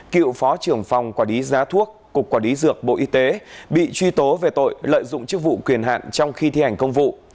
cựu phó trưởng phòng quản lý giá thuốc cục quản lý dược bộ y tế bị truy tố về tội lợi dụng chức vụ quyền hạn trong khi thi hành công vụ